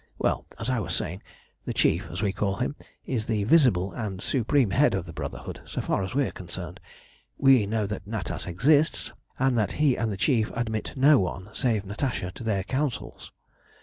Well, as I was saying, the Chief, as we call him, is the visible and supreme head of the Brotherhood so far as we are concerned. We know that Natas exists, and that he and the Chief admit no one save Natasha to their councils.